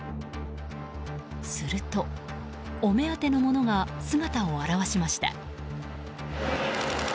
すると、お目当てのものが姿を現しました。